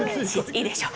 いいでしょう。